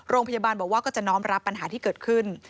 โรงพยาบาลบอกว่าก็จะน้อมรับปัญหาที่เกิดขึ้น